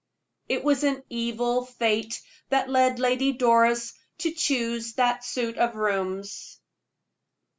It was an evil fate that led Lady Doris to choose that suit of rooms.